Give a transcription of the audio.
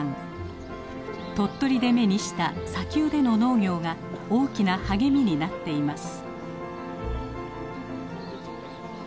鳥取で目にした砂丘での農業が大きな励みになっています。